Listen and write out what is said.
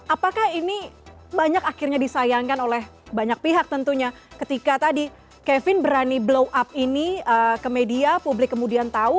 apakah ini banyak akhirnya disayangkan oleh banyak pihak tentunya ketika tadi kevin berani blow up ini ke media publik kemudian tahu